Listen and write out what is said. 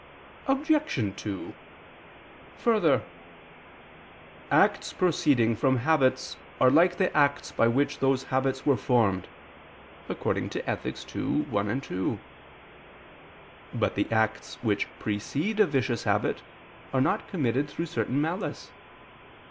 Obj. 2: Further, "Acts proceeding from habits are like the acts by which those habits were formed" (Ethic. ii, 1, 2). But the acts which precede a vicious habit are not committed through certain malice.